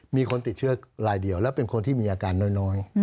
มีคนติดเชื้อรายเดียวและเป็นคนที่มีอาการน้อย